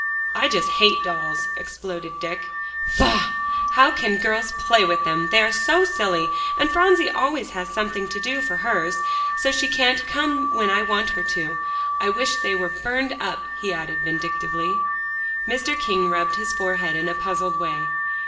"I just hate dolls," exploded Dick. "Faugh! how can girls play with them; they're so silly. And Phronsie always has something to do for hers, so she can't come when I want her to. I wish they were burned up," he added vindictively. Mr. King rubbed his forehead in a puzzled way.